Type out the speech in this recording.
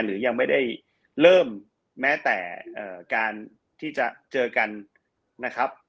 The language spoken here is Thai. หรือยังไม่ได้เริ่มแม้แต่การที่จะเจอกันนะครับ